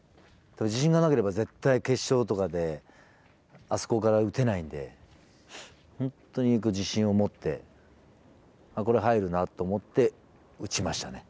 自信がなければ絶対決勝とかであそこから打てないんで本当に行く自信を持ってこれ入るなと思って打ちましたね。